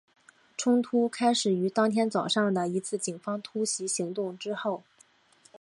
冲突开始于当天早上的一次警方突袭行动之后。